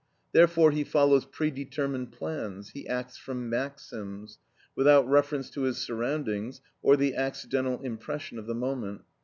Therefore he follows predetermined plans, he acts from maxims, without reference to his surroundings or the accidental impression of the moment.